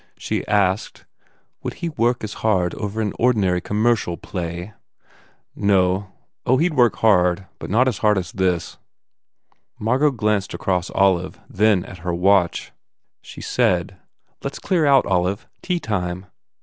She asked, "Would he work as hard over an ordinary, com mercial play?" "No. Oh, he d work hard but not as hard as this." Margot glanced across Olive, then at her watch. 215 THE FAIR REWARDS She said, "Let s clear out, Olive. Teatime."